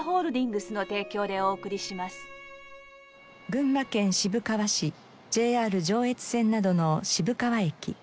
群馬県渋川市ＪＲ上越線などの渋川駅。